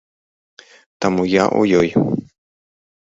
Таму я ў ёй.